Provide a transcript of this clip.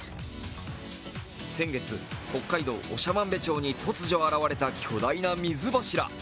先月、北海道長万部町に突如現れた巨大な水柱。